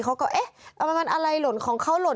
เขาก็เอ๊ะมันอะไรหล่นของเขาหล่น